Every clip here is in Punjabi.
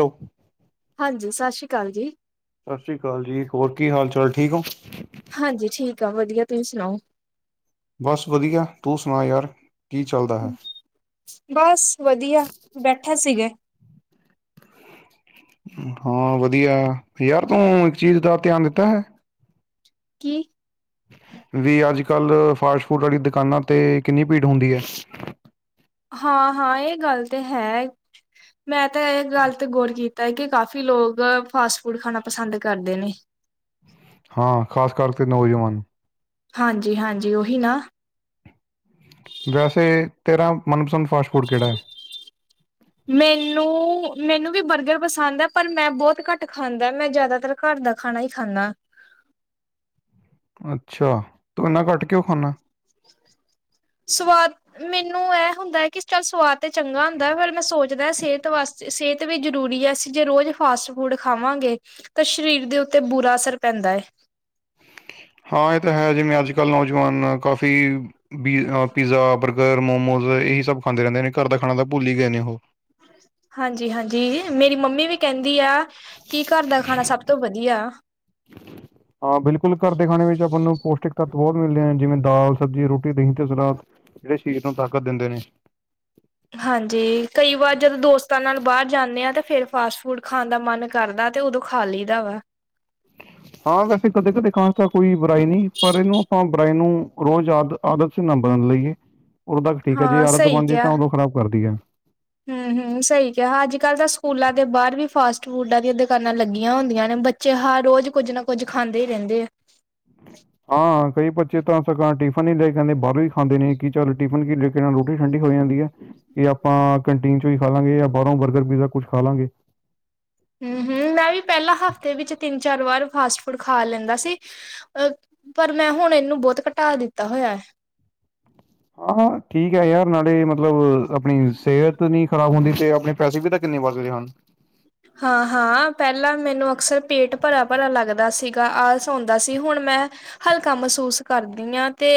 ਹੈਲੋ, ਹਾਂਜੀ। ਸਤਿ ਸ਼੍ਰੀ ਅਕਾਲ ਜੀ। ਸਤਿ ਸ੍ਰੀ ਅਕਾਲ ਜੀ। ਹੋਰ ਕੀ ਹਾਲ- ਚਾਲ ਠੀਕ ਹੋ। ਹਾਂਜੀ, ਠੀਕ ਆ। ਵਧੀਆ ਤੁਸੀਂ ਸੁਣਾਓ? ਬਸ ਵਧੀਆ। ਤੂੰ ਸੁਣਾ ਯਾਰ ਕੀ ਚੱਲਦਾ ਹੈ। ਬਸ ਵਧੀਆ। ਬੈਠਾ ਸੀਗਾ। ਹਾਂ, ਵਧੀਆ ਯਾਰ ਤੂੰ ਇੱਕ ਚੀਜ਼ ਦਾ ਧਿਆਨ ਦਿੱਤਾ ਹੈ। ਕੀ। ਵੀ ਅੱਜ ਕਲ ਫਾਸਟ ਫੂਡ ਵਾਲੀ ਦੁਕਾਨਾਂ ਤੇ ਕਿੰਨੀ ਭੀੜ ਹੁੰਦੀ ਹੈ। ਹਾਂ-ਹਾਂ ਇਹ ਗੱਲ ਤੇ ਹੈ। ਮੈਂ ਤਾਂ ਇਹ ਗੱਲ ਤੇ ਗੌਰ ਕੀਤੀ। ਤਾਂ ਕਿ ਕਾਫ਼ੀ ਲੋਕ ਫਾਸਟ ਫੂਡ ਖਾਣਾ ਪਸੰਦ ਕਰਦੇ ਨੇ। ਹਾਂ, ਖਾਸ ਕਰਕੇ ਨੌਜਵਾਨ। ਹਾਂਜੀ-ਹਾਂਜੀ ਉਹੀ ਨਾ ਵੈਸੇ ਤੇਰਾ ਮਨਪਸੰਦ ਫਾਸਟ ਫੂਡ ਕਿਹੜਾ ਹੈ ਮੈਨੂੰ-ਮੈਨੂੰ ਵੀ ਬਰਗਰ ਪਸੰਦ ਹੈ ਪਰ ਮੈਂ ਬਹੁਤ ਘੱਟ ਖਾਂਦਾ ਮੈਂ ਜਿਆਦਾਤਰ ਘਰ ਦਾ ਖਾਣਾ ਹੀ ਖਾਂਦਾ। ਅੱਛਾ। ਤੂੰ ਇਣਾ ਘੱਟ ਕਿਞੇ ਖਾਣਾ। ਸਵਾਦ ਮੈਨੂੰ ਇਹ ਹੁੰਦਾ ਹੈ ਕਿਸ ਕਾ ਸਵਾਦ ਤੇ ਚੰਗਾ ਹੁੰਦਾ। ਫਿਰ ਮੈਂ ਸੋਚਦਾ ਸਿਹਤ ਵਾਸਤੇ ਸਿਹਤ ਵੀ ਜਰੂਰੀ ਹੈ। ਅਸੀਂ ਜੇ ਰੋਜ਼ ਫਾਸਟ ਫੂਡ ਖਾਵਾਂਗੇ। ਤਾਂ ਸਰੀਰ ਦੇ ਉੱਤੇ ਬੁਰਾ ਅਸਰ ਪੈਂਦਾ ਹੈ। ਹਾਂ, ਇਹ ਤਾਂ ਹੈ। ਜਿਵੇਂ ਅੱਜ ਕੱਲ ਨੌਜਵਾਨ ਕਾਫੀ ਬੀ ਪੀਜ਼ਾ, ਬਰਗਰ ਰ ਮੋਮੋਸ ਇਹੀ ਸਭ ਖਾਂਦੇ ਰਹਿੰਦੇ ਨੇ, ਘਰ ਦਾ ਖਾਣਾ ਤਾਂ ਭੁੱਲ ਹੀ ਗਏ ਨੇ ਉਹ। ਹਾਂਜੀ- ਹਾਂਜੀ ਮੇਰੀ ਮੰਮੀ ਵੀ ਕਹਿੰਦੀ ਆ। ਕੀ ਘਰ ਦਾ ਖਾਣਾ ਸਭ ਤੋਂ ਵਧੀਆ। ਹਾਂ ਬਿਲਕੁਲ ਘਰ ਦੇ ਖਾਣੇ ਵਿੱਚ ਆਪਾਂ ਨੂੰ ਪੌਸ਼ਟਿਕ ਤੱਤ ਬਹੁਤ ਮਿਲਦੇ ਆ ਜਿਵੇਂ ਦਾਲ ਸਬਜ਼ੀ ਰੋਟੀ ਦਹੀਂ ਤੇ ਸਲਾਦ ਜਿਹੜੇ ਸ਼ਰੀਰ ਨੂੰ ਤਾਕਤ ਦਿੰਦੇ ਨੇ ਹਾਂਜੀ ਕਈ ਵਾਰ ਜਦੋਂ ਦੋਸਤਾਂ ਨਾਲ ਬਾਹਰ ਜਾਂਦੇ ਹਾਂ ਤਾਂ ਫੇਿਰ ਫਾਸਟ ਫੂਡ ਖਾਣ ਦਾ ਮਨ ਕਰਦਾ ਤੇ ਉਦੋਂ ਖਾ ਲਈ ਦਾ ਵਾ ਹਾਂ ਵੈਸੇ ਕਦੇ ਕਦੇ ਖਾਂਸ ਤਾਂ ਕੋਈ ਬੁਰਾਈ ਨਹੀਂ ਪਰ ਇਹਨੂੰ ਆਪਾਂ ਬੁਰਾਈ ਨੂੰ ਰੋਜ਼ ਆਦਤ ਸੀ ਨਾ ਬਦਨ ਲਈਏ ਉਦੋਂ ਤੱਕ ਠੀਕ ਹੈ ਜੇ ਹਾਂ ਆਦਤ ਸਹੀ ਬਣ ਜਾਏ ਤਾਂ ਉਦੋਂ ਖਰਾਬ ਕਰਦੀ ਹੈ ਹਮ-ਹਮ ਸਹੀ ਕਿਹਾ ਅੱਜ ਕੱਲ੍ਹ ਤਾਂ ਸਕੂਲਾਂ ਦੇ ਬਾਹਰ ਵੀ ਫਾਸਟ ਫੂਡਾਂ ਦੀਆਂ ਦੁਕਾਨਾਂ ਲੱਗੀਆਂ ਹੁੰਦੀਆਂ ਨੇ ਬਚ ਚਿਹਾ ਰੋਜ਼ ਕੁੱਝ ਨਾ ਕੁੱਝ ਖਾਂਦੇ ਹੀ ਰਹਿੰਦੇ ਆ ਹਾਂ ਕਈ ਬੱਚੇ ਤਾਂ ਟਿਫਿਨ ਹੀ ਲੈ ਕੇ ਨਹੀਂ ਆਂਦੇ ਬਾਹਰੋਂ ਹੀ ਖਾਂਦੇ ਨੇ ਕਿ ਚੱਲ ਟਿਫਨ ਕੀ ਰੋਟੀ ਠੰਡੀ ਹੋ ਜਾਂਦੀ ਹੈ ਕਿ ਆਪਾਂ ਕੰਟੀਨ ਚੋਂ ਹੀ ਖਾ ਲਾਂਗੇ ਜਾਂ ਬਾਹਰੋਂ ਬਰਗਰ ਪੀਜ਼ਾ ਕੁਛ ਖਾ ਲਾਂਗੇ ਹਮ-ਹਮ ਮੈਂ ਵੀ ਪਹਿਲਾਂ ਹਫ਼ਤੇ ਵਿੱਚ ਤਿੰਨ ਚਾਰ ਵਾਰ ਫਾਸਟ ਫੂਡ ਖਾ ਲੈਂਦਾ ਸੀ ਅ ਪਰ ਮੈਂ ਹੁਣ ਇਹਨੂੰ ਬਹੁਤ ਘਟਾ ਦਿੱਤਾ ਹੋਇਆ ਹਾਂ-ਹਾਂ ਠੀਕ ਹੈ ਯਾਰ ਨਾਲੇ ਮਤਲਬ ਆਪਣੀ ਸਿਹਤ ਨੀ ਖ਼ਰਾਬ ਹੁੰਦੀ ਤੇ ਆਪਣੇ ਪੈਸੇ ਵੀ ਤਾਂ ਕਿੰਨੇ ਵੱਧ ਗਏ ਹਨ ਹਾਂ-ਹਾਂ ਪਹਿਲਾਂ ਮੈਨੂੰ ਅਕਸਰ ਪੇਟ ਭਰਾ-ਭਰਾ ਲੱਗਦਾ ਸੀਗਾ ਆਲਸ ਆਉਂਦਾ ਸੀ ਹੁਣ ਮੈਂ ਹਲਕਾ ਮਹਿਸੂਸ ਕਰਦੀ ਹਾਂ ਤੇ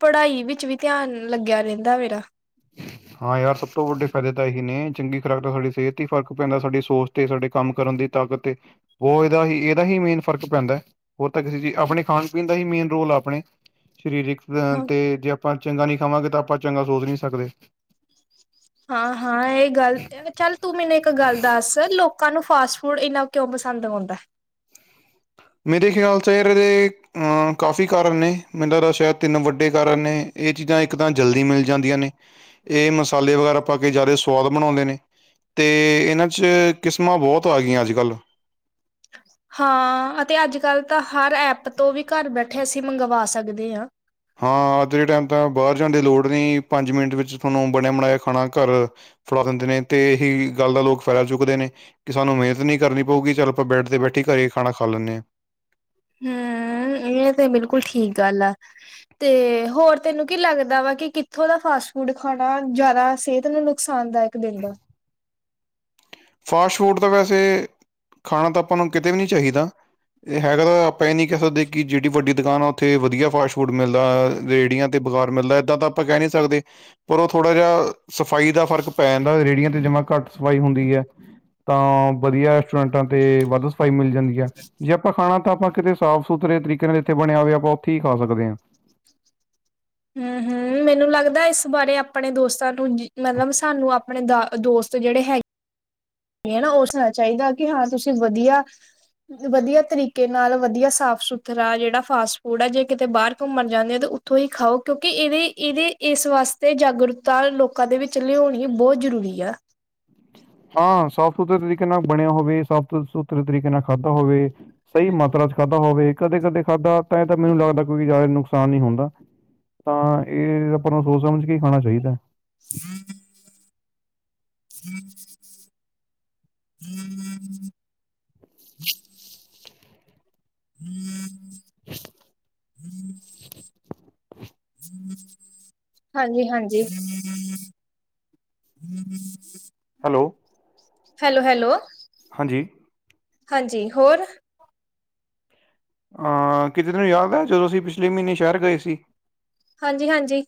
ਪੜ੍ਹਾਈ ਵਿੱਚ ਵੀ ਧਿਆਨ ਲੱਗਿਆ ਰਹਿੰਦਾ ਮੇਰਾ ਹਾਂ ਯਾਰ ਸਭ ਤੋਂ ਵੱਡੇ ਫਾਇਦੇ ਤਾਂ ਇਹੀ ਨੇ ਚੰਗੀ ਖੁਰਾਕ ਦਾ ਸਾਡੀ ਸਿਹਤ ਤੇ ਹੀ ਫਰਕ ਪੈਂਦਾ ਸਾਡੀ ਸੋਚ ਤੇ ਸਾਡੇ ਕੰਮ ਕਰਨ ਦੀ ਤਾ ਕਰਕੇ ਉਹ ਇਹਦਾ ਹੀ ਇਹਦਾ ਹੀ ਮੇਨ ਫਰਕ ਪੈਂਦਾ ਹੋ ਤਾਂ ਕਿਸੇ ਚੀਜ਼ ਆਪਣੇ ਖਾਣ ਪੀਣ ਦਾ ਹੀ ਮੇਨ ਰੋਲ ਆ ਆਪਣੇ ਸਰੀਰਕ ਹਾਂ। ਤੇ ਜੇ ਆਪਾਂ ਚੰਗਾ ਨਹੀਂ ਖਾਵਾਂਗੇ ਤਾਂ ਆਪਾਂ ਚੰਗਾ ਸੋਚ ਨਹੀਂ ਸਕਦੇ ਹਾਂ-ਹਾਂ ਇਹ ਗੱਲ ਤੇ ਚੱਲ ਤੂੰ ਮੈਨੂੰ ਇੱਕ ਗੱਲ ਦੱਸ ਲੋਕਾਂ ਨੂੰ ਫਾਸਟ ਫੂਡ ਇੰਨਾ ਕਿਉਂ ਪਸੰਦ ਆਉਦਾ ਮੇਰੇ ਖਿਆਲ ਚ ਇਹਦੇ ਅਹ ਕਾਫ਼ੀ ਕਾਰਨ ਨੇ ਮੈਨੂੰ ਤਾਂ ਸ਼ਾਇਦ ਤਿੰਨ ਵੱਡੇ ਕਾਰਨ ਨੇ ਇਹ ਚੀਜ਼ਾਂ ਇੱਕ ਤਾਂ ਜਲਦੀ ਮਿਲ ਜਾਂਦੀਆਂ ਨੇ ਇਹ ਮਸਾਲੇ ਵਗੈਰਾ ਪਾ ਕੇ ਜ਼ਿਆਦਾ ਸਆਦ ਬਣਾਉਂਦੇ ਨੇ ਅਤੇ ਇਹਨਾਂ 'ਚ ਕਿਸਮਾਂ ਬਹੁਤ ਆ ਗਈਆਂ ਅੱਜ ਕੱਲ੍ਹ ਹਾਂ ਅਤੇ ਅੱਜ ਕੱਲ੍ਹ ਤਾਂ ਹਰ ਐਪ ਤੋਂ ਵੀ ਘਰ ਬੈਠੇ ਅਸੀਂ ਮੰਗਵਾ ਸਕਦੇ ਹਾਂ ਹਾਂ ਅੱਜ ਦੇ ਟਾਈਮ ਤਾਂ ਬਾਹਰ ਜਾਣ ਦੀ ਲੋੜ ਨਹੀਂ ਪੰਜ ਮਿੰਟ ਵਿੱਚ ਤੁਹਾਨੂੰ ਬਣਿਆ ਬਣਾਇਆ ਖਾਣਾ ਘਰ ਫੜਾ ਦਿੰਦੇ ਨੇ ਤੇ ਇਹੀ ਗੱਲ ਦਾ ਲੋਕ ਫੈਦਾ ਚੁੱਕਦੇ ਨੇ ਕਿ ਸਾਨੂੰ ਮਿਹਨਤ ਨਹੀਂ ਕਰਨੀ ਪਊਗੀ ਚੱਲ ਆਪਾਂ ਬੈਠਦੇ ਬੈਠੀ ਘਰੇ ਖਾਣਾ ਖਾ ਲੈਂਦੇ ਹਾਂ ਹਮ ਇਹ ਤੇ ਬਿਲਕੁਲ ਠੀਕ ਗੱਲ ਆ ਤੇ ਹੋਰ ਤੈਨੂੰ ਕੀ ਲੱਗਦਾ ਵਾ ਕਿ ਕਿੱਥੋਂ ਦਾ ਫਾਸਟ ਫੂਡ ਖਾਣਾ ਜ਼ਿਆਦਾ ਸਿਹਤ ਨੂੰ ਨੁਕਸਾਨਦਾਇਕ ਇੱਕ ਦਿਨ ਦਾ ਫਾਸਟ ਫੂਡ ਤਾਂ ਵੈਸੇ ਖਾਣਾ ਤਾਂ ਆਪਾਂ ਨੂੰ ਕਿਤੇ ਵੀ ਨਹੀਂ ਚਾਹੀਦਾ ਇਹ ਹੈਗਾ ਤਾਂ ਆਪਾਂ ਇਹ ਨੀ ਕਹਿ ਸਕਦੇ ਕਿ ਜਿਹੜੀ ਵੱਡੀ ਦੁਕਾਨ ਆ ਉੱਥੇ ਵਧੀਆ ਫਾਸਟ ਫੂਡ ਮਿਲਦਾ ਰੇਹੜੀਆਂ ਤੇ ਬਗਾਰ ਮਿਲਦਾ ਇੱਦਾਂ ਤਾਂ ਆਪਾਂ ਕਹਿ ਨਹੀਂ ਸਕਦੇ ਉਦੋਂ ਥੋੜ੍ਹਾ ਜਿਹਾ ਸਫ਼ਾਈ ਦਾ ਫ਼ਰਕ ਪੈ ਜਾਂਦਾ ਰੇਹੜੀਆਂ 'ਤੇ ਜਮ੍ਹਾਂ ਘੱਟ ਸਫਾਈ ਹੁੰਦੀ ਆ ਤਾਂ ਵਧੀਆ ਰੈਸਟੋਰੈਂਟਾਂ ਤੇਤੇ ਵੱਧ ਸਫਾਈ ਮਿਲ ਜਾਂਦੀ ਹੈ ਜੀ ਆਪਾਂ ਖਾਣਾ ਤਾਂ ਆਪਾਂ ਕਿਤੇ ਸਾਫ਼ ਸੁਥਰੇ ਤਰੀਕੇ ਨਾਲ ਜੱਥੇ ਬਣਿਆ ਹੋਵੇ ਆਪਾਂ ਉੱਥੇ ਹੀ ਖਾ ਸਕਦੇ ਹਾਂ ਹਮ ਹਮ ਮੈਨੂੰ ਲੱਗਦਾ ਇਸ ਬਾਰੇ ਆਪਣੇ ਦੋਸਤਾਂ ਨੂੰ ਮਤਲਬ ਸਾਨੂੰ ਆਪਣੇ ਦਾ ਦੋਸਤ ਜਿਹੜੇ ਹੈਗੇ ਵੀ ਨਾ ਉਹ ਸੁਣਾ ਚਾਹੀਦਾ ਕਿ ਹਾਂ ਤੁਸੀਂ ਵਧੀਆ ਵਧੀਆ ਤਰੀਕੇ ਨਾਲ ਵਧੀਆ ਸਾਫ ਸੁਥਰਾ ਜਿਹੜਾ ਫਾਸਟ ਫੂਡ ਹੈ ਜੇ ਕਿਤੇ ਬਾਹਰ ਘੁੰਮਣ ਜਾਂਦੇ ਆ ਤਾਂ ਤੁ ਹੀ ਖਾਓ ਕਿਉਂਕਿ ਇਹਦੇ-ਇਹਦੇ ਇਸ ਵਾਸਤੇ ਜਾਗਰੂਕਤਾ ਲੋਕਾਂ ਦੇ ਵਿੱਚ ਲਿਆਉਣੀ ਬਹੁਤ ਜ਼ਰੂਰੀ ਆ ਹਾਂ ਸਾਫ਼ ਸੁਥਰੇ ਤਰੀਕੇ ਨਾਲ ਬਣਿਆ ਹੋਵੇ ਸਾਫ਼ ਸੁਥਰੇ ਤਰੀਕੇ ਨਾਲ ਖਾਧਾ ਹੋਵੇ ਸਹੀ ਮਾਤਰਾ ਚ ਖਾਧਾ ਹੋਵੇ ਕਦੇ ਕਦੇ ਖਾਧਾ ਤਾਂ ਇਹ ਤਾਂ ਮੈਨੂੰ ਲੱਗਦਾ ਕਿਉਂਕਿ ਜ਼ਿਆਦਾ ਨੁਕਸਾਨ ਨਹੀਂ ਹੁੰਦਾ ਤਾਂ ਇਹ ਆਪਾਂ ਨੂੰ ਸੋਚ ਸਮਝ ਕੇ ਖਾਣਾ ਚਾਹੀਦਾ ਹੂੰ ਹਮ ਹੂੰ ਹਮ ਹਮ [unintelligible] ਹਾਂਜੀ ਹਾਂਜੀ ਹਮ [unintelligible] ਹੈਲੋ ਹੈਲੋ ਹੈਲੋ ਹਾਂਜੀ ਹਾਂਜੀ ਹੋਰ ਆਂ ਕਿਤੇ ਨੂੰ ਯਾਦ ਐ ਜਦੋਂ ਅਸੀਂ ਪਿਛਲੇ ਮਹੀਨੇ ਸ਼ਹਿਰ ਗਏ ਸੀ ਹਾਂਜੀ ਹਾਂਜੀ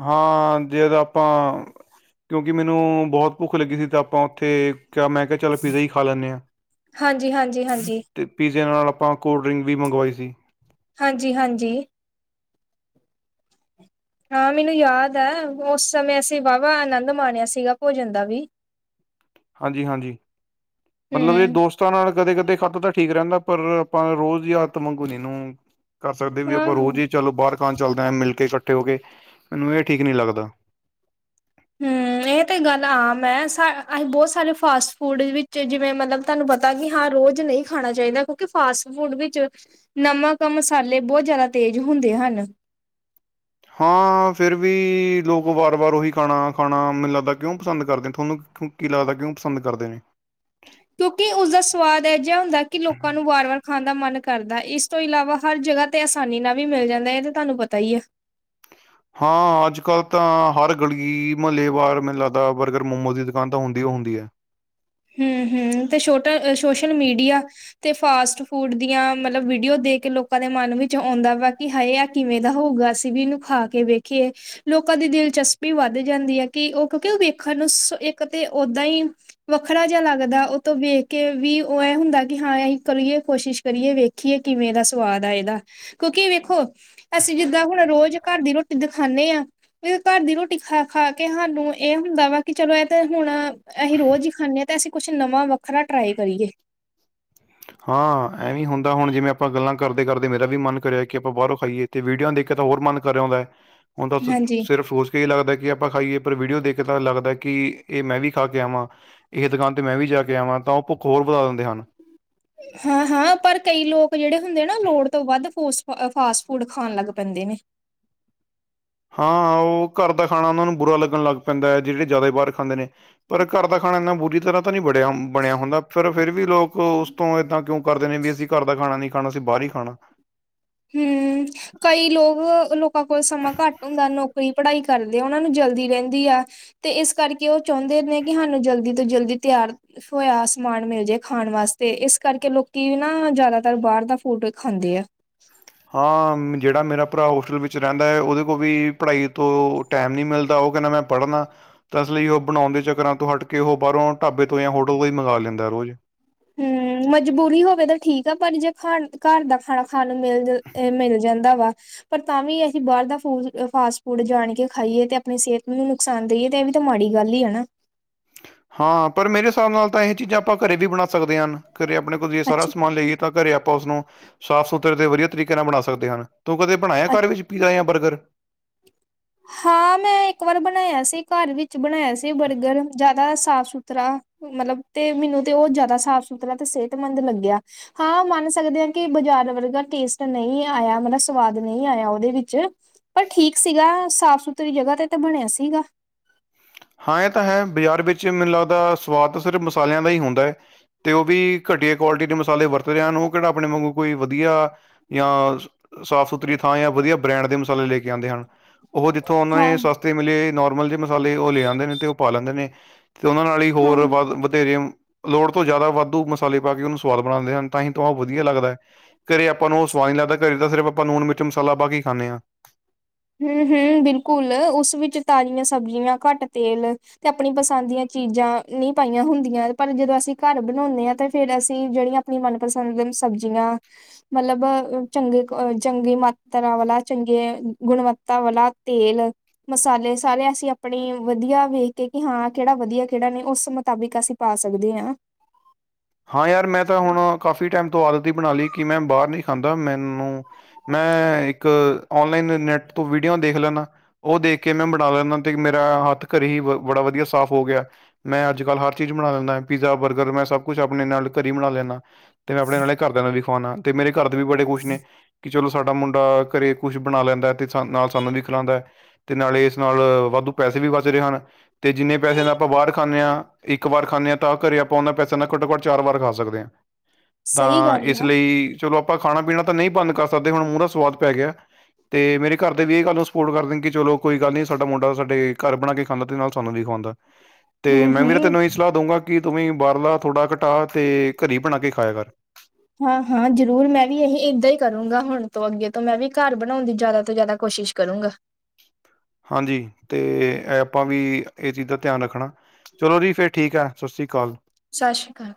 ਹਾਂ ਜੇਦੋਂ [unintelligible] ਆਪਾਂ ਕਿਉਂਕਿ ਮੈਨੂੰ ਬਹੁਤ ਭੁੱਖ ਲੱਗੀ ਸੀ ਤਾਂ ਆਪਾਂ ਉੱਥੇ ਕਿਆ ਮੈਂ ਕਿਹਾ ਚੱਲ ਪਿਜ਼ਾ ਈ ਖਾ ਲੈਂਨੇ ਆਂ ਹਾਂਜੀ-ਹਾਂਜੀ-ਹਾਂਜੀ, ਅਤੇ ਪੀਜ਼ਯਾਂ ਨਾਲ ਆਪਾਂ ਕੋਲਡ ਡਰਿੰਕ ਵੀ ਮੰਗਵਾਈ ਸੀ ਹਾਂਜੀ ਹਾਂਜੀ ਹਾਂ ਮੈਨੂੰ ਯਾਦ ਐ ਉਸ ਸਮੇਂ ਅਸੀਂ ਵਾਹਵਾ ਆਨੰਦ ਮਾਣਿਆ ਸੀਗਾ ਭੋਜਨ ਦਾ ਵੀ ਹਾਂਜੀ ਹਾਂਜੀ ਮਲਬ ਇਹ ਹੂੰ, ਦੋਸਤਾਂ ਨਾਲ ਕਦੇ ਕਦੇ ਖਾਦਾ ਤਾਂ ਠੀਕ ਰਹਿੰਦਾ ਪਰ ਆਪਾਂ ਰੋਜ਼ ਦੀ ਆਦਤ ਮੰਗੂ ਨੀ ਇਹਨੂੰ [inaudible] ਕਰ ਸਕਦੇ ਵੀ ਹਾਂ। ਆਪਾਂ ਰੋਜ਼ ਹੀ ਚਲੋ ਬਾਹਰ ਖਾਨ ਚੱਲਦੇ ਹਾਂ ਮਿਲ ਕੇ ਇਕੱਠੇ ਹੋ ਕੇ ਮੈਨੂੰ ਇਹ ਠੀਕ ਨੀ ਲੱਗਦਾ। ਹਮ ਏ ਇਹ ਤੇ ਗੱਲ ਆਮ ਐ ਅਸੀਂ ਬਹੁਤ ਸਾਰੇ ਫਾਸਟ ਫੂਡ ਵਿੱਚ ਜਿਵੇਂ ਮਲਬ ਤੁਹਾਨੂੰ ਪਤਾ ਕਿ ਹਾਂ ਰੋਜ਼ ਨਹੀਂ ਖਾਣਾ ਚਾਹੀਦਾ ਕਿਉਂਕਿ ਫਾਸਟ ਫੂਡ ਵਿੱਚ ਨਮਕ ਮਸਾਲੇ ਬਹੁਤ ਜ਼ਿਆਦਾ ਤੇਜ਼ ਹੁੰਦੇ ਹਨ ਹਾਂ ਫਿਰ ਵੀ ਲੋਕ ਵਾਰ ਵਾਰ ਉਹੀ ਖਾਣਾ ਖਾਣਾ ਮੈਨੂੰ ਲੱਗਦਾ ਕਿਉਂ ਪਸੰਦ ਕਰਦੇ ਨੇ ਥੋਨੂੰ - ਕੀ ਲੱਗਦਾ ਕਿਉਂ ਪਸੰਦ ਕਰਦੇ ਨੇ ਕਿਉਂਕਿ ਉਸਦਾ ਸਵਾਦ ਅਏ ਜਿਹਾ ਹੁੰਦਾ ਕਿ ਲੋਕਾਂ ਨੂੰ ਵਾਰ ਵਾਰ ਖਾਣ ਦਾ ਮਨ ਕਰਦਾ ਇਸ ਤੋਂ ਇਲਾਵਾ ਹਰ ਜਗ੍ਹਾ ਤੇ ਆਸਾਨੀ ਨਾਲ ਵੀ ਮਿਲ ਜਾਂਦਾ ਹੈ ਤੇ ਤੁਹਾਨੂੰ ਪਤਾ ਹੀ ਹੈ ਹਾਂ ਅੱਜ ਕੱਲ੍ਹ ਤਾਂ ਹਰ ਗਲੀ ਮਹੱਲੇਵਾਰ ਮੈਨੂੰ ਲੱਗਦਾ ਬਰਗਰ ਮੋਮੋਸ ਦੀ ਦੁਕਾਨ ਤਾਂ ਹੁੰਦੀ ਉਹ ਹੁੰਦੀ ਹੈ ਹਮ ਹਮ ਤੇ ਛੋਟ ਸੋਸ਼ਲ ਮੀਡੀਆ ਤੇ ਫਾਸਟ ਫੂਡ ਦੀਆਂ ਮਲਬ ਵੀਡੀਓ ਦੇਖ ਕੇ ਲੋਕਾਂ ਦੇ ਮਨ ਵਿੱਚ ਆਉਂਦਾ ਵਾ ਕੀ ਹਾਏ ਆ ਕਿਵੇਂ ਦਾ ਹੋਊਗਾ ਅਸੀਂ ਵੀ ਇਹਨੂੰ ਖਾ ਕੇ ਵੇਖੀਏ ਲੋਕਾਂ ਦੀ ਦਿਲਚਸਪੀ ਵੱਧ ਜਾਂਦੀ ਆ ਕਿ ਉਹ ਕਿਉਂਕਿ ਉਹ ਵੇਖਣ ਨੂੰ ਇੱਕ ਤੇ ਓਦਾਂ ਈ ਵੱਖਰਾ ਜਿਹਾ ਲੱਗਦਾ ਉਹ ਤੋਂ ਵੇਖ ਕੇ ਵੀ ਉਹ ਇਹ ਹੁੰਦਾ ਕਿ ਹਾਂ ਅਸੀਂ ਕਰੀਏ ਕੋਸ਼ਿਸ਼ ਕਰੀਏ ਵੇ ਖੀਏ ਕਿਵੇਂ ਦਾ ਸਵਾਦ ਆ ਇਹਦਾ ਕਿਉਂਕਿ ਵੇਖੋ ਅਸੀਂ ਜਿੱਦਾਂ ਹੁਨ ਰੋਜ਼ ਘਰ ਦੀ ਰੋਟੀ ਦ ਖਾਂਦੇ ਹਾਂ ਘਰ ਦੀ ਰੋਟੀ ਖਾ ਖਾ ਕੇ ਹਾਨੂੰ ਇਹ ਹੁੰਦਾ ਵਾ ਕਿ ਚਲੋ ਇਹ ਤੇ ਹੁਣ ਅਹੀ ਰੋਜ਼ ਹੀ ਖਾਂਨੇ ਤਾ ਅਸੀਂ ਕੁਛ ਨਵਾਂ ਵੱਖਰਾ ਟਰਾਈ ਕਰੀਏ ਹਾਂ ਐਵੇ ਹੁੰਦਾ ਹੁਣ ਜਿਵੇਂ ਆਪਾਂ ਗੱਲਾਂ ਕਰਦੇ ਕਰਦੇ ਮੇਰਾ ਵੀ ਮਨ ਕਰਿਆ ਕਿ ਆਪਾ ਬਾਹਰੋ ਖਾਈਏ ਤੇ ਵੀਡੀਓਆ ਦੇਖਿਆ ਤਾਂ ਹੋਰ ਮਨ ਕਰ ਆਉਂਦਾ ਐ ਹੁਣ ਤਾਂ ਸਿ ਹਾਂਜੀ ਸਿਰਫ ਕਈ [unintelligible] ਲੱਗਦਾ ਕਿ ਆਪਾਂ ਖਾਈਏ ਪਰ ਵੀਡੀਓ ਦੇਖ ਕੇ ਤਾਂ ਲੱਗਦਾ ਕਿ ਇਹ ਮੈਂ ਵੀ ਖਾ ਕੇ ਆਵਾਂ ਇਹ ਦੁਕਾਨ ਤੇ ਮੈਂ ਵੀ ਜਾ ਕੇ ਆਵਾਂ ਤਾਂ ਉਹ ਭੁੱਖ ਹੋਰ ਵਧਾ ਦਿੰਦੇ ਹਨ ਹਾਂ ਹਾਂ ਪਰ ਕਈ ਲੋਕ ਜਿਹੜੇ ਹੁੰਦੇ ਨਾ ਲੋੜ ਤੋਂ ਵੱਧ ਫੁਸ ਫਾਸਟ ਫੂਡ ਖਾਣ ਲੱਗ ਪੈਂਦੇ ਨੇ ਹਾਂ ਉਹ ਘਰ ਦਾ ਖਾਣਾ ਉਹਨਾਂ ਨੂੰ ਬੁਰਾ ਲੱਗਣ ਲੱਗ ਪੈਂਦਾ ਹੈ ਜਿਹੜੇ ਜ਼ਿਆਦਾ ਬਾਹਰ ਖਾਂਦੇ ਨੇ ਪਰ ਘਰ ਦਾ ਖਾਣਾ ਇੰਨਾ ਬੁਰੀ ਤਰ੍ਹਾਂ ਤਾਂ ਨਹੀਂ ਬੜਿਆ ਬਣਿਆ ਹੁੰਦਾ ਫਿਰ ਫਿਰ ਵੀ ਲੋਕ ਉਸ ਤੋਂ ਇਏਦਾਂ ਕਿਉਂ ਕਰਦੇ ਨੇ ਵੀ ਅਸੀਂ ਘਰ ਦਾ ਖਾਣਾ ਨਹੀਂੀ ਖਾਣਾ ਅਸੀਂ ਬਾਹਰ ਹੀ ਖਾਣਾ ਹਮ ਕਈ ਲੋਕ ਲੋਕਾਂ ਕੋਲ ਸਮਾਂ ਘੱਟ ਹੁੰਦਾ ਨੌਕਰੀ ਪੜ੍ਹਾਈ ਕਰਦੇ ਆ ਉਹਨਾਂ ਨੂੰ ਜਲਦੀ ਰਹਿੰਦੀ ਆ ਤੇ ਇਸ ਕਰਕੇ ਉਹ ਚਾਹੁੰਦੇ ਨੇ ਕਿ ਸਾਨੂੰ ਜਲਦੀ ਤੋਂ ਜਲਦੀ ਤਿਆਰ ਹੋਇਆ ਸਮਾਨ ਮਿਲ ਜਾਏ ਖਾਨ ਵਾਸਤੇ ਇਸ ਕਰਕੇ ਲੋਕੀ ਨਾ ਜ਼ਿਆਦਾਤਰ ਬਾਹਰ ਦਾ ਫੂਡ ਖਾਂਦੇ ਆ [inaudible] ਹਾਂ ਜਿਹੜਾ ਮੇਰਾ ਭਰਾ ਹੋਸਟਲ ਵਿੱਚ ਰਹਿੰਦਾ ਹੈ ਓਹਦੇ ਕੋਲ ਵੀ ਪੜ੍ਹਾਈ ਤੋਂ ਟੈਮ ਨੀ ਮਿਲਦਾ ਉਹ ਕੈਹਨਾ ਮੈਂ ਪੜ੍ਹਨੈ ਤਾਂ ਇਸ ਲਈ ਉਹ ਬਣਾਉਣ ਦੇ ਚੱਕਰਾਂ ਤੋਂ ਹਟ ਕੇ ਉਹ ਬਾਹਰੋਂ ਢਾਬੇ ਤੋਂ ਯਾਂ ਹੋਟਲ ਤੋਂ ਹੀ ਮੰਗਵਾ ਲੈਂਦਾ ਰੋਜ਼ ਹਮ ਮਜਬੂਰੀ ਹੋਵੇ ਤਾ ਠੀਕ ਆ ਪਰ ਜੇ ਖਾਣ ਘਰ ਦਾ ਖਾਣਾ ਖਾਣ ਨੂੰ ਮਿਲ ਮਿਲ ਜਾਂਦਾ ਵਾ ਪਰ ਤਾਂ ਵੀ ਅਹੀ ਬਾਹਰ ਦਾ ਫੂਡ ਫਾਸਟ ਫੂਡ ਜਾਣ ਕੇ ਖਾਈਏ ਤੇ ਆਪਨੀ ਸਿਹਤ ਨੂੰ [unintelligible] ਤੇ ਇਹ ਵੀ ਤਾਂ ਮਾੜੀ ਗੱਲ ਹੀ ਨਾ ਹਾਂ ਪਰ ਮੇਰੇ ਹਿਸਾਬ ਨਾਲ ਤਾ ਇਹ ਚੀਜ਼ਾਂ ਆਪਾਂ ਘਰੇ ਵੀ ਬਣਾ ਸਕਦੇ ਹ ਹਨ ਘਰੇ ਆਪਣੇ ਕੋਝ ਸਾਰਾ ਅੱਛੀ ਸਮਾਨ ਲਈਏ ਤਾਂ ਘਰੇ ਆਪਾਂ ਉਸਨੂੰ ਸਾਫ਼ ਸੁਥਰੇ ਤੇ ਵਧੀਆ ਤਰੀਕੇ ਨਾਲ ਬਣਾ ਸਕਦੇ ਹਨ ਤੂੰ ਕਦੇ ਬਣਾਇਆ ਘਰ ਵਿੱਚ ਪੀਜਾ ਜਾਂ ਬਰਗਰ ਹਾਂ ਮੈਂ ਇੱਕ ਵਾਰ ਬਣਾਇਆ ਸੀ ਘਰ ਵਿੱਚ ਬਣਾਇਆ ਸੀ ਬਰਗਰ ਜਆਦਾ ਸਾਫ ਸੁਥਰਾ ਮਤਲਬ ਤੇ ਮੈਨੂੰ ਤੇ ਉਹ ਜਆਦਾ ਸਾਫ ਸੁਥਰਾ ਤੇ ਸਿਹਤਮੰਦ ਲੱਗਿਆ ਹਾਂ ਮੰਨ ਸਕਦੇ ਹਾਂ ਕਿ ਬਾਜ਼ਾਰ ਵਰਗਾ ਟੇਸਟ ਨਹੀਂ ਆਇਆ ਮਤਲਬ ਸਵਾਦ ਨਹੀਂ ਆਇਆ ਓਹਦੇ ਵਿੱਚ ਪਰ ਠੀਕ ਸੀਗਾ ਸਾਫ਼ ਸੁਥਰੀ ਜਗ੍ਹਾ ਤੇ ਤਾਂ ਬਣਿਆ ਸੀਗਾ ਹਾਂ ਇਹ ਤਾਂ ਹੈ ਬਾਜ਼ਾਰ ਵਿੱਚ ਮੈਨੂੰ ਲੱਗਦਾ ਸਵਾਦ ਸਿਰਫ ਮਸਾਲਿਆਂ ਦਾ ਹੀ ਹੁੰਦਾ ਹੈ ਤੇ ਉਹ ਵੀ ਘਟੀਆ ਕੁਆਲਿਟੀ ਦੇ ਮਸਾਲੇ ਵਰਤ ਰਹੈਨ ਉਹ ਕਿਹੜਾ ਆਪਣੇ ਵਾਂਗੂ ਕੋਈ ਵਧੀਆ ਯਾਂ ਸਾਫ਼ ਸੁਥਰੀ ਥਾਂ ਯਾਂ ਵਧੀਆ ਬ੍ਰੈਂਡ ਦੇ ਮਸਾਲੇ ਲੈ ਕੇ ਆਂਦੇ ਹਨ ਉਹ ਜਿੱਥੋਂ ਉਹਨਾਂ ਹਾਂ ਨੇ ਸਾਸ ਤੇ ਮਿਲੇ ਨੋਰਮਲ ਜੇ ਮਸਾਲੇ ਉਹ ਲੈ ਆਉਂਦੇ ਨੇ ਤੇ ਉਹ ਪਾ ਲੈਂਦੇ ਨੇ ਤੇ ਉਹਨਾਂ ਨਾਲ ਹੀ ਹਾਂ ਹੋਰ ਵਧ ਵਧੇਰੇ ਲੋੜ ਤੋਂ ਜ਼ਿਆਦਾ ਵਾਧੂ ਮਸਾਲੇ ਪਾ ਕੇ ਉਹਨੂੰ ਸਵਾਦ ਬਣਾਂਦੇ ਹਨ ਤਾਂ ਹੀ ਤਾਂ ਉਹ ਵਧੀਆ ਲੱਗਦੈ ਘਰੇ ਆਪਾਂ ਨੂੰ ਉਹ ਸਵਾਦ ਨੀ ਲੱਗਦਾ ਘਰੇ ਤਾਂ ਸਿਰਫ ਆਪਾਂ ਮਿਰਚ ਮਸਾਲਾ ਪਾ ਕੇ ਖਾਂਨੇ ਹਾਂ ਹਮ ਹਮ ਬਿਲਕੁਲ ਉਸ ਵਿੱਚ ਤਾਜ਼ੀਆਂ ਸਬਜ਼ੀਆਂ ਘੱਟ ਤੇਲ ਤੇ ਆਪਣੀ ਪਸੰਦ ਦੀਆਂ ਚੀਜ਼ਾਂ ਨੀ ਪਾਈਆਂ ਹੁੰਦੀਆਂ ਪਰ ਜਦੋਂ ਅਸੀਂ ਘਰ ਬਣਾਉਂਨੇ ਹਾਂ ਤੇ ਫੇਰ ਅਸੀਂ ਜਿਹੜੀਆਂ ਆਪਣੀ ਮਨਪਸੰਦ ਸਬਜ਼ੀਆਂ ਮਤਲਬ ਚੰਗੇ ਚੰਗੀ ਮਾਤਰਾ ਵਾਲਾ ਚੰਗੇ ਗੁਣਵੱਤਾ ਵਾਲਾ ਤੇਲ ਮਸਾਲੇ ਸਾਰੇ ਅਸੀਂ ਆਪਣੇ ਵਧੀਆ ਵੇਖ ਕੇ ਕਿ ਹਾਂ ਕਿਹੜਾ ਵਧੀਆ ਕਿਹੜਾ ਨੇ ਉਸ ਮੁਤਾਬਿਕ ਅਸੀਂ ਪਾ ਸਕਦੇ ਹਾਂ ਹਾਂ ਯਾਰ ਮੈਂ ਤਾਂ ਹੁਣ ਕਾਫ਼ੀ ਟਾਈਮ ਤੋਂ ਆਦਤ ਹੀ ਬਣਾ ਲਈ ਕਿ ਮੈਂ ਬਾਹਰ ਨਹੀਂ ਖਾਂਦਾ ਮੈਨੂੰ ਮੈਂ ਇੱਕ ਔਨਲਾਈਨ ਨੈਟ ਤੋਂ ਵੀਡੀਓ ਦੇਖ ਲੈਂਦਾ ਉਹ ਦੇਖ ਕੇ ਮੈਂ ਬਣਾ ਲੈਂਦਾ ਤੇ ਮੇਰਾ ਹੱਥ ਘਰੇ ਹੀ ਬੜਾ ਵਧੀਆ ਸਾਫ਼ ਹੋ ਗਿਆ ਮੈਂ ਅੱਜ ਕੱਲ੍ਹ ਹਰ ਚੀਜ਼ ਬਣਾ ਲੈਂਨਾ ਪੀਜ਼ਾ ਬਰਗਰ ਮੈਂ ਸਭ ਕੁਛ ਆਪਣੇ ਨਾਲ ਘਰੇ ਹੀ ਬਣਾ ਲੈਨਾ ਤੇ ਮੈਂ ਆਪਣੇ ਨਾਲੇ ਘਰਦਿਆਂ ਨਾਲ ਵੀ ਖਵਾਉਣਾ ਤੇ ਮੇਰੇ ਘਰ ਦੇ ਵੀ ਬੜੇ ਕੁੱਸ਼ ਨੇ ਕਿ ਚਲੋ ਸਾਡਾ ਮੁੰਡਾ, ਘਰੇ ਕੁਛ ਬਣਾ ਲੈਂਦਾ ਅਤੇ, ਸ ਨਾਲ ਸਾਨੂੰ ਵੀ ਖਿਲਾਂਉਂਦਾ। ਤੇ ਨਾਲੇ ਇਸ ਨਾਲ, ਵਾਧੂ ਪੈਸੇ ਵੀ ਬਚ ਰਹੇ ਹਨ। ਤੇ ਜਿੰਨੇ ਪੈਸੇ ਨਾਲ ਆਪਾਂ ਬਾਹਰ ਖਾਂਨੇ ਹਾਂ, ਇੱਕ ਵਾਰ ਖਾਂਨੇ ਆ, ਤਾਂ ਘਰੇ ਆਪਾਂ ਉਹਨਾਂ ਪੈਸੇ ਘੱਟੋ-ਘੱਟ ਚਾਰ ਵਾਰ ਖਾ ਸਕਦੇ ਹਾਂ, ਸਹੀ ਤਾਂ, ਗੱਲ ਇਸ ਆ ਲਈ ਚਲੋ ਆਪਾਂ ਖਾਣਾ-ਪੀਣਾ ਤਾਂ ਨਹੀਂ ਬੰਦ ਕਰ ਸਕਦੇ, ਹੁਣ ਮੂੰਹ ਦਾ ਸਵਾਦ ਪੈ ਗਿਆ। ਤੇ ਮੇਰੇ ਘਰ ਦੇ ਵੀ ਇਹ ਗੱਲ ਨੂੰ ਸਪੋਰਟ ਕਰਦੇ ਨੇ ਕਿ ਚਲੋ ਕੋਈ ਗੱਲ ਨਹੀਂ ਸਾਡਾ ਮੁੰਡਾ ਸਾਡੇ ਘਰ ਬਣਾ ਕੇ ਖਾਂਦਾ ਅਤੇ ਨਾਲ ਸਾਨੂੰ ਵੀ ਖੁਵਾਉਂਦੈ [inaudible] ਤੇ ਮੈਂ ਵੀਰ ਹੂੰ-ਹੂੰ ਤੈਨੂੰ ਇ ਸਲਾਹ ਦਊਂਗਾ ਕਿ ਤੁੂੰ ਵੀ ਬਾਹਰਲਾ ਥੋੜ੍ਹਾ ਘਟਾ ਤੇ ਘਰ ਹੀ ਬਣਾ ਕੇ ਖਾਇਆ ਕਰ ਹਾਂ ਹਾਂ ਜ਼ਰੂਰ ਮੈਂ ਵੀ ਇ ਏਦਾਂ ਹੀ ਕਰੂੰਗਾ ਹੁਨ ਤੋਂ ਅੱਗੇ ਤੋਂ ਮੈਂ ਵੀ ਘਰ ਬਣਾਉਣ ਦੀ ਜ਼ਿਆਦਾ ਤੋਂ ਜ਼ਿਆਦਾ ਕੋਸ਼ਿਸ਼ ਕਰੂੰਗਾ ਹਾਂਜੀ ਤੇ ਇਹ ਆਪਾਂ ਵੀ ਇਹ ਚੀਜ਼ ਦਾ ਧਿਆਨ ਰੱਖਣਾ ਚਲੋ ਜੀ ਫੇਰ ਠੀਕ ਹੈ। ਸਤਿ ਸ਼੍ਰੀ ਅਕਾਲ ਸ਼ਾਸ਼ੀ ਕਾਲ